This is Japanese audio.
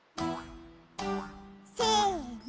せの！